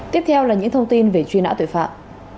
tiếp theo là những thông tin về chuyên án tội phạm